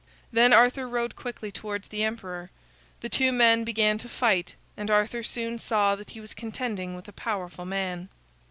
Then Arthur rode quickly towards the emperor. The two men began to fight, and Arthur soon saw that he was contending with a powerful man.